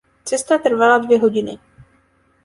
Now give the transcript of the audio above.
Cesta trvala dvě hodiny.